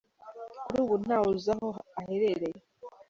Kuri ubu ntawe uzi aho aherereye.